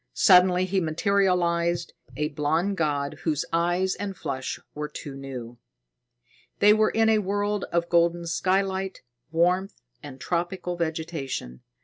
Suddenly he materialized, a blond god, whose eyes and flesh were too new. They were in a world of golden skylight, warmth and tropical vegetation.